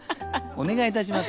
お願いいたします。